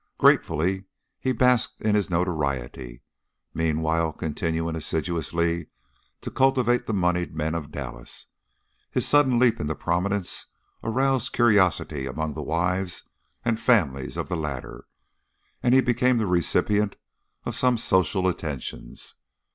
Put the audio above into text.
Gratefully he basked in his notoriety, meanwhile continuing assiduously to cultivate the moneyed men of Dallas. His sudden leap into prominence aroused curiosity among the wives and families of the latter, and he became the recipient of some social attentions.